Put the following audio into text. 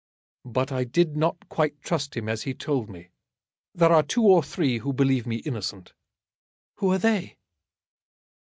But I did not quite trust him as he told me. There are two or three who believe me innocent." "Who are they?"